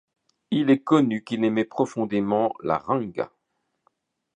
Il est connu qu'il aimait profondément le renga.